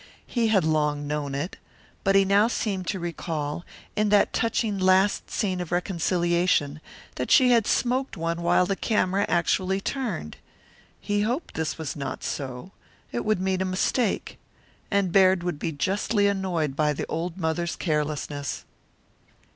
He had long known it. But he now seemed to recall, in that touching last scene of reconciliation, that she had smoked one while the camera actually turned. He hoped this was not so. It would mean a mistake. And Baird would be justly annoyed by the old mother's carelessness.